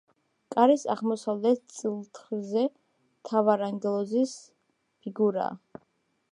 კარის აღმოსავლეთ წირთხლზე მთავარანგელოზის ფიგურაა.